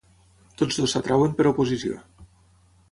Tots dos s’atreuen per oposició.